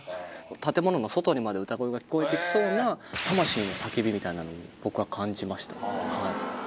建物の外にまで歌声が聴こえてきそうな魂の叫びみたいなのを僕は感じましたね